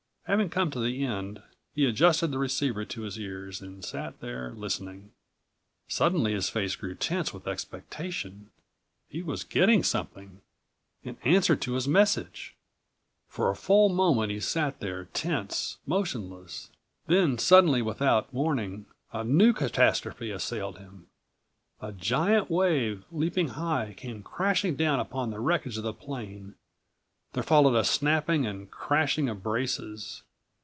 Having come to the end, he adjusted the receiver to his ears and sat there listening. Suddenly his face grew tense with expectation. He was getting something, an answer to his message. For a full moment he sat there tense, motionless. Then, suddenly, without warning, a new catastrophe assailed him. A giant wave, leaping high, came crashing down upon the wreckage of the plane. There followed a snapping and crashing of braces.